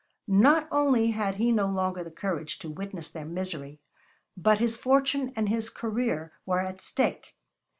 Not only had he no longer the courage to witness their misery, but his fortune and his career were at stake.